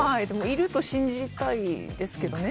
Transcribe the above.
いると信じたいですけでどね。